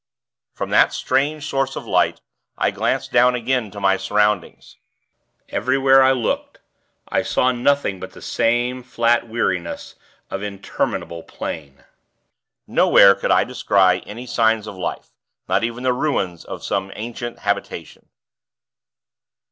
From that strange source of light, I glanced down again to my surroundings. Everywhere I looked, I saw nothing but the same flat weariness of interminable plain. Nowhere could I descry any signs of life; not even the ruins of some ancient habitation.